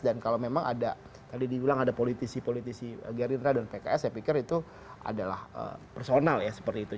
dan kalau memang ada tadi diulang ada politisi politisi gerindra dan pks saya pikir itu adalah personal ya seperti itu